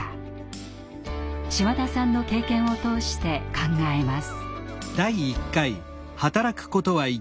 島田さんの経験を通して考えます。